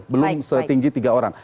belum setinggi tiga orang